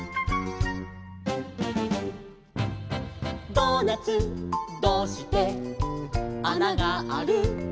「ドーナツどうしてあながある？」